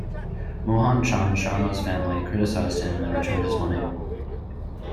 Mohan Chand Sharma's family criticized him and returned his money.